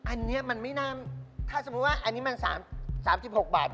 อันนี้มันไม่น่าถ้าสมมุติว่าอันนี้มัน๓๖บาท